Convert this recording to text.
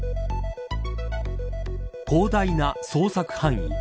広大な捜索範囲。